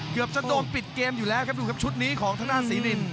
เกือบจะโดนปิดเกมอยู่แล้วครับดูครับชุดนี้ของทางด้านศรีริน